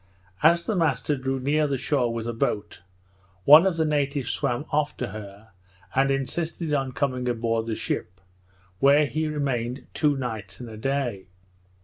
As the master drew near the shore with the boat, one of the natives swam off to her, and insisted on coming a board the ship, where he remained two nights and a day.